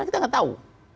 kita tidak tahu